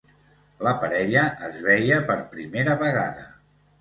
La parella es veia per primera vegada.